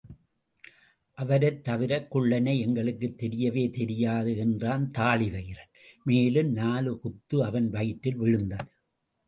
அவரைத் தவிரக் குள்ளனை எங்களுக்குத் தெரியவே தெரியாது என்றான் தாழிவயிறன், மேலும் நாலு குத்து அவன் வயிற்றில் விழுந்தது.